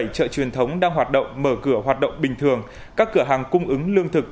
bảy chợ truyền thống đang hoạt động mở cửa hoạt động bình thường các cửa hàng cung ứng lương thực